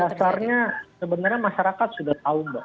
dasarnya sebenarnya masyarakat sudah tahu mbak